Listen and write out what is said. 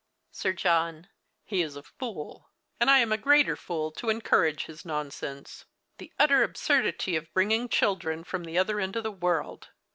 Sir John. He is a fool; and I am a greater fool to encourage his nonsense. The utter absurdity of bringing children from the other end of the world